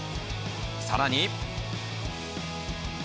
さらに。